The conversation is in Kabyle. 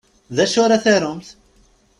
D acu ara tarumt?